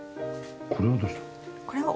これはどうしたの？